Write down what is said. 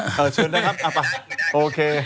เออชวนนะครับเอาป่ะโอเค